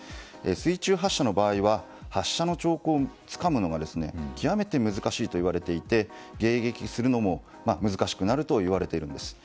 水中発射の場合は発射の兆候をつかむのが極めて難しいといわれていて迎撃するのも難しくなるといわれているんです。